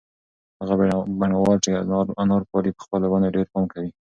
هغه بڼوال چې انار پالي په خپلو ونو ډېر پام کوي.